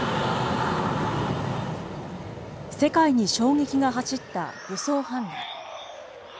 世界に衝撃が走った武装反乱。